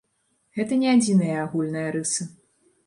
Гэта не адзіная агульная рыса.